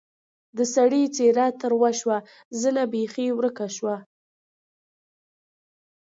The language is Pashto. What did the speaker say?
د سړي څېره تروه شوه زنه بېخي ورکه شوه.